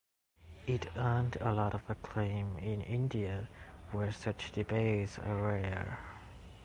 It earned a lot of acclaim in India, where such debates are rare.